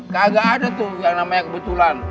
kagak ada tuh yang namanya kebetulan